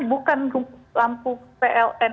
bukan lampu pln